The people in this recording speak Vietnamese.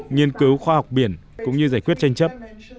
nghiên cứu khoa học biển cũng như giải quyết tranh chấp